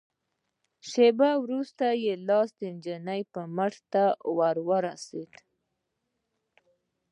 شېبه وروسته يې لاس د ښځې مټ ته ور ورسېد.